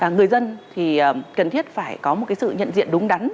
người dân thì cần thiết phải có một sự nhận diện đúng đắn